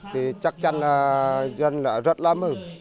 thì chắc chắn là dân rất là mừng